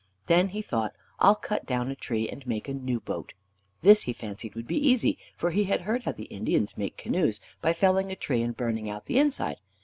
Then, he thought, "I'll cut down a tree, and make a new boat." This he fancied would be easy, for he had heard how the Indians make canoes by felling a tree and burning out the inside.